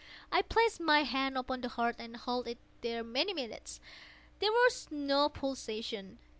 I placed my hand upon the heart and held it there many minutes. There was no pulsation.